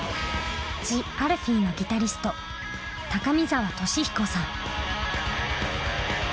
ＴＨＥＡＬＦＥＥのギタリスト高見沢俊彦さん。